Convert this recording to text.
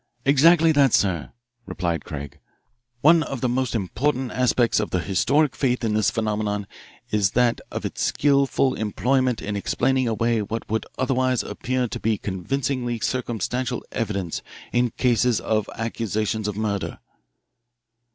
"Exactly that, sir," replied Craig. "One of the most important aspects of the historic faith in this phenomenon is that of its skilful employment in explaining away what would otherwise appear to be convincing circumstantial evidence in cases of accusations of murder."